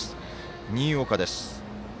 新岡です。